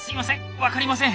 分かりません。